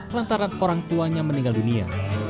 lantaran orang tuanya meninggal dunia